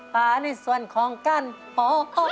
ฟานี่ส่วนของกันโอ้โฮ